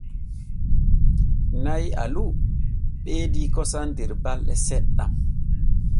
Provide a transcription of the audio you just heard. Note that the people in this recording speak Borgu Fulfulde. Na'i alu ɓeedi kosam der balde seɗɗen.